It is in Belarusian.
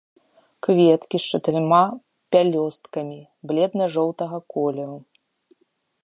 Кветкі з чатырма пялёсткамі, бледна-жоўтага колеру.